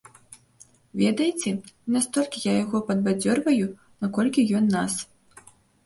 Ведаеце, не настолькі я яго падбадзёрваю, наколькі ён нас.